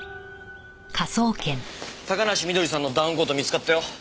高梨翠さんのダウンコート見つかったよ。